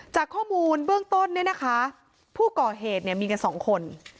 จากข้อมูลเบื้องต้นนี่นะคะผู้ก่อเหตุมีกัน๒คน